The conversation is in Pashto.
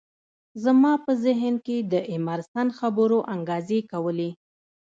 زما په ذهن کې د ایمرسن خبرو انګازې کولې